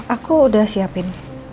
aku udah siapin